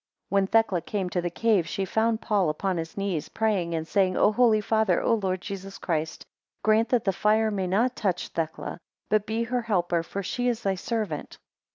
7 When Thecla came to the cave, she found Paul upon his knees praying and saying, O holy Father, O Lord Jesus Christ, grant that the fire may not touch Thecla; but be her helper, for she is thy servant.